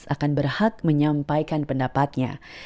akan berhak menyampaikan pendapatnya